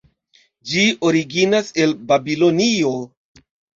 Ĝi originas el Babilonio.